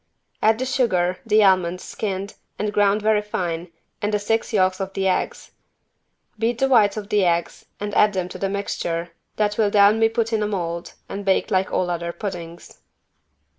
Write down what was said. Add the sugar, the almonds skinned and ground very fine and the six yolks of the eggs. Beat the whites of the eggs and add them to the mixture that will then be put in a mold and baked like all other puddings.